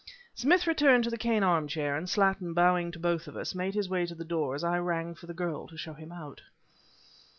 Smith returned to the cane armchair, and Slattin, bowing to both of us, made his way to the door as I rang for the girl to show him out.